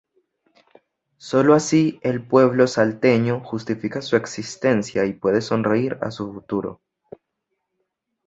Solo así el pueblo salteño justifica su existencia y puede sonreír a su futuro...